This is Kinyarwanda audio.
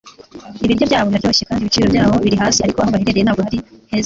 Ibiryo byaho biraryoshye kandi ibiciro byabo biri hasi. Ariko, aho baherereye ntabwo ari heza.